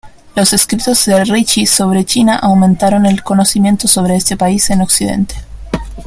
Los escritos de Ricci sobre China aumentaron el conocimiento sobre este país en Occidente.